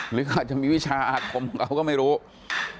หรืออาจจะมีวิชาอาคมของเราก็ไม่รู้